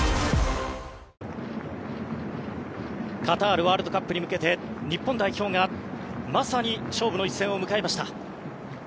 カタールワールドカップに向けて日本代表がまさに勝負の一戦を迎えました。